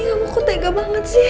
aku tega banget sih